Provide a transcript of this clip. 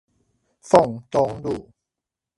鳳東路